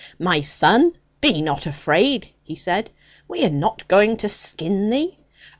'My son, be not afraid,' he said; 'we are not going to skin thee.